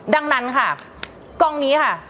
ดังนั้นค่ะกล้องนี้ค่ะ